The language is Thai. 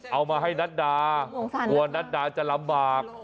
เอามาให้นัดดากลัวนัดดาจะลำบาก